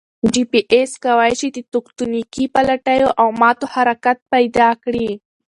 جي پي ایس کوای شي د تکوتنیکي پلیټو او ماتو حرکت پیدا کړي